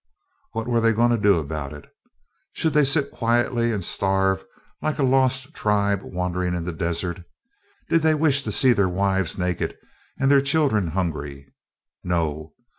What were they going to do about it? Should they sit quietly and starve like a lost tribe wandering in the desert? Did they wish to see their wives naked and their children hungry? No!